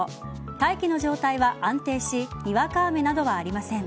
大気の状態は安定しにわか雨などはありません。